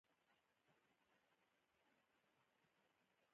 دا پیسې هغوی ته د جېب خرچۍ په توګه ورکول کېږي